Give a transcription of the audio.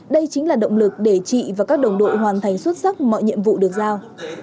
đây chính là động lực để chị và các đồng đội hoàn thành xuất sắc mọi nhiệm vụ được giao